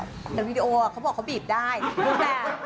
แต่ที่วีดีโอเขาบอกเขาบีบได้นั่นแหละ